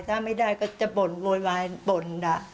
ถ้าไม่ได้ก็จะบ่นโวยวายบ่น